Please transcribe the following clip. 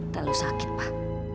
tak lalu sakit pak